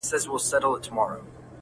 ستادی ،ستادی، ستادی فريادي گلي.